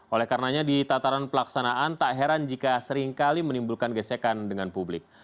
oleh karenanya di tataran pelaksanaan tak heran jika seringkali menimbulkan gesekan dengan publik